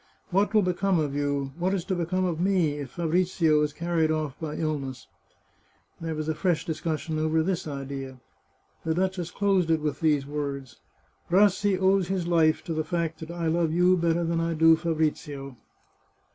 What will become of you, what is to become of me, if Fabrizio is carried off by ill ness ?" There was a fresh discussion over this idea. The duchess closed it with these words :" Rassi owes his life to the fact that I love you better than I do Fabrizio.